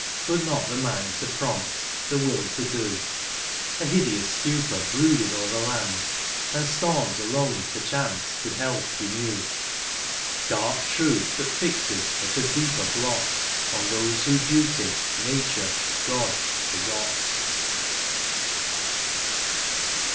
But not the mind to prompt, the will to do ; A hideous stupor brooded o'er the land. And storms alone, perchance, could health renew ; Dark truth, that fixes but a deeper blot On those who duty, nature, God forgot.